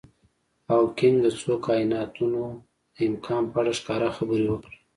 هاوکېنګ د څو کایناتونو د امکان په اړه ښکاره خبرې وکړي.